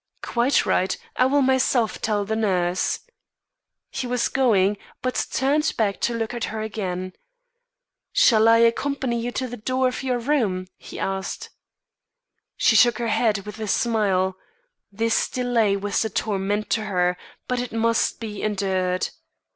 "Quite right. I will myself tell the nurse." He was going, but turned to look at her again. "Shall I accompany you to the door of your room?" he asked. She shook her head, with a smile. This delay was a torment to her, but it must be endured.